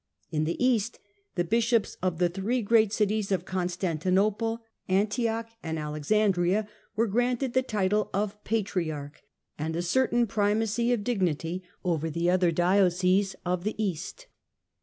In the east the bishops of the three great cities of Constantinople, Antioch and )MBARDS IN ITALY AND RISE OF THE PAPACY 85 Alexandria were granted the title of Patriarch l and a certain primacy of dignity over the other dioceses of the east.